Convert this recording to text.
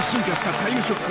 タイムショック！